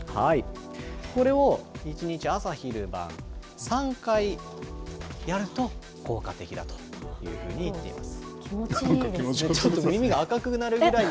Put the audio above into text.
これを１日、朝、昼、晩、３回やると、効果的だというふうにいっています。